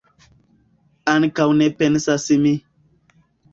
Ankaŭ ne pensas mi.